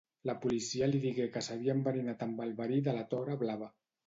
La policia li digué que s'havia enverinat amb el verí de la tora blava.